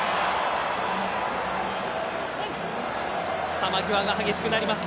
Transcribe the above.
球際が激しくなります。